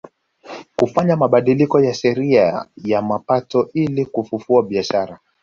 Kufanya mabadiliko ya sheria ya mapato ili kufufua biashara